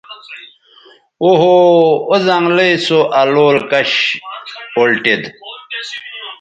او ہو او زنگلئ سو الول کش اُلٹید